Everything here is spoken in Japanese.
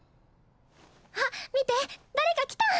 あっ見て誰か来た！